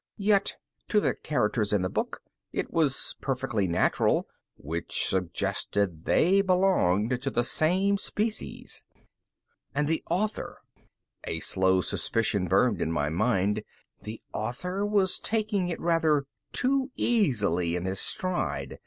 Yet, to the characters in the book, it was perfectly natural which suggested they belonged to the same species. And the author? A slow suspicion burned in my mind. The author was taking it rather too easily in his stride.